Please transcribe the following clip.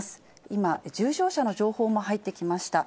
今、重症者の情報も入ってきました。